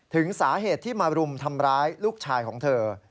ถึงสาเหตุที่มารุมทำร้ายลูกชายของเธอ